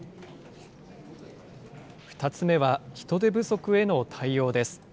２つ目は人手不足への対応です。